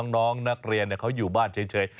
น้องนักเรียนเขาอยู่บ้านเฉย